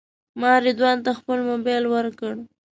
ما رضوان ته خپل موبایل ورکړ.